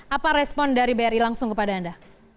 apa respon dari bri langsung kepada anda